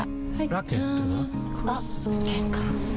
ラケットは？